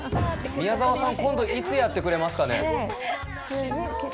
宮沢さん今度いつやってくれますかね？